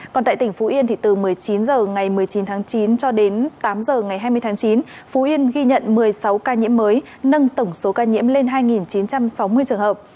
còn tại tỉnh phú yên thì từ một mươi chín h ngày một mươi chín tháng chín cho đến tám h ngày hai mươi tháng chín phú yên ghi nhận một mươi sáu ca nhiễm mới nâng tổng số ca nhiễm lên hai chín trăm sáu mươi trường hợp